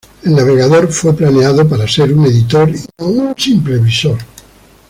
El navegador fue planeado para ser un editor y no un simple visor.